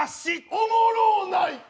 おもろうない！